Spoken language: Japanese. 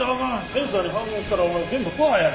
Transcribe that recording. センサーに反応したらお前全部パーや。